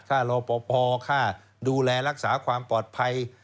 ข้ารอพอข้าดูแลรักษาความปลอดภัย